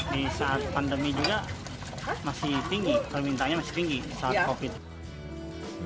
di saat pandemi juga masih tinggi permintaannya masih tinggi saat covid